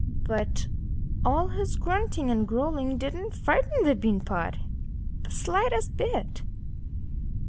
But all his grunting and growling didn't frighten the bean pot the slightest bit.